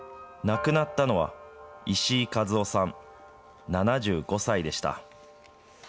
亡くなったのは、石井和夫さん７５歳でした。